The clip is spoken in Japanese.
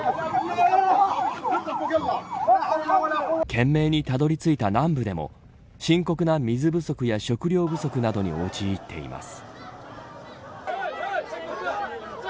懸命にたどり着いた南部でも深刻な水不足や食料不足などに陥っています。